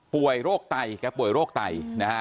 ป่วยโรคไตแกป่วยโรคไต